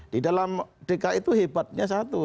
di dalam dki itu hebatnya satu